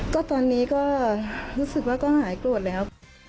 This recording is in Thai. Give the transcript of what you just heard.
ก็ตอนนี้ก็รู้สึกว่าก็หายโกรธแล้ว